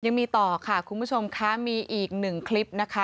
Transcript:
ยังมีต่อค่ะคุณผู้ชมค่ะมีอีกหนึ่งคลิปนะคะ